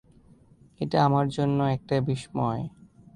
এটা আমার জন্য একটা বিশ্ময়।